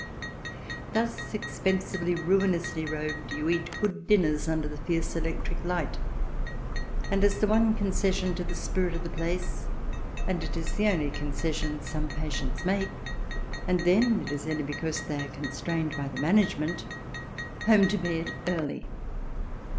Thus expensively, ruinously robed, you eat good dinners under fierce electric light, and as the one concession to the spirit of the place — it is the only concession some patients make, and then it is only because they are constrained by the management — home to bed early.